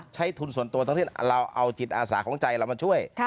ใช้ทุนส่วนตัวทั้งที่เราเอาจิตอาสาของใจเรามาช่วย